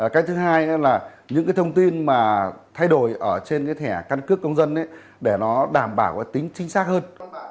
cái thứ hai là những cái thông tin mà thay đổi ở trên cái thẻ căn cước công dân để nó đảm bảo tính chính xác hơn